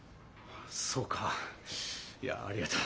そうかいやありがとう。